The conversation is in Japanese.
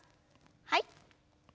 はい。